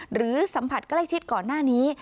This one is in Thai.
หรือสัมผัสใกล้ชิดก่อนหน้านี้